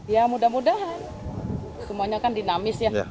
ya mudah mudahan semuanya kan dinamis ya